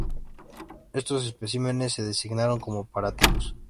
Estos especímenes se designaron como paratipos.